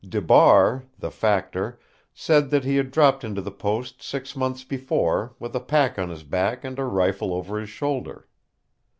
DeBar, the factor, said that he had dropped into the post six months before, with a pack on his back and a rifle over his shoulder.